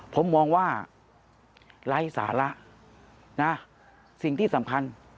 ผมมองว่าไร้สาระนะสิ่งที่สำคัญ